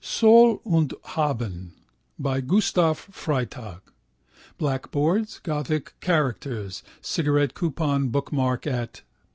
Soll und Haben by Gustav Freytag (black boards, Gothic characters, cigarette coupon bookmark at p.